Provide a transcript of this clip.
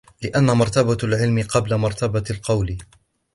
لِأَنَّ مَرْتَبَةَ الْعِلْمِ قَبْلَ مَرْتَبَةِ الْقَوْلِ